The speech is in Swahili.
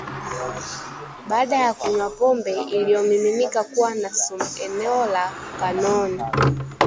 baada ya kunywa pombe inayoaminika kuwa na sumu eneo la Kanon